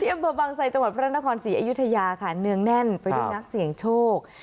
อำเภอบางไซจังหวัดพระนครศรีอยุธยาค่ะเนืองแน่นไปด้วยนักเสี่ยงโชค